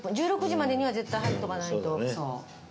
１６時までには絶対入っとかないと。